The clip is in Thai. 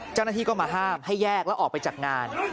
เจ้าหน้าที่ก็มาห้ามให้แยกแล้วออกไปจากงาน